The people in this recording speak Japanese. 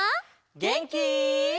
げんき？